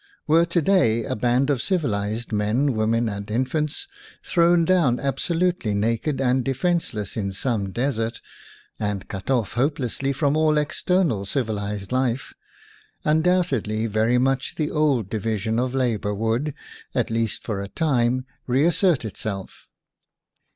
Were to day a band of civilized men, women, and infants thrown down absolutely naked and defenseless in some desert, and cut off hopelessly from all external civilized life, undoubtedly very much the old division of labor would, at least for a time, reassert itself.